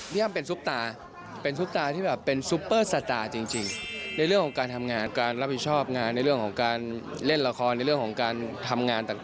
พี่อ้ำเป็นซุปตาเป็นซุปตาที่แบบเป็นซุเปอร์สตาร์จริงในเรื่องของการทำงาน